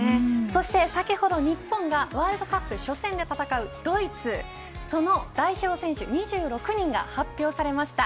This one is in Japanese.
そして先ほど日本がワールドカップ初戦で戦うドイツその代表選手２６人が発表されました。